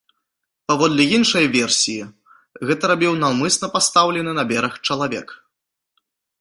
Паводле іншай версіі, гэта рабіў наўмысна пастаўлены на бераг чалавек.